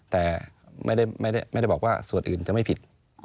แต่ไม่ได้บอกว่าส่วนอื่นจะไม่ผิด